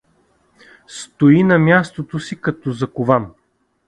Стои на мястото си като закован.